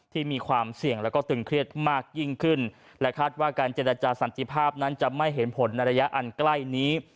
ที่มีความเสี่ยงแล้วก็ตึงเครียดมากยิ่งขึ้นและคาดว่าการเจรจาสันติภาพนั้นจะไม่เห็นผลในระยะอันใกล้นี้